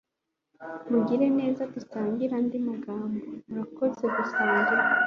Mugire neza dusangire andi magambo. Urakoze gusangira